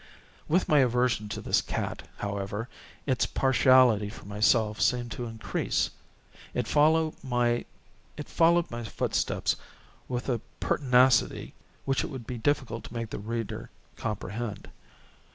With my aversion to this cat, however, its partiality for myself seemed to increase. It followed my footsteps with a pertinacity which it would be difficult to make the reader comprehend.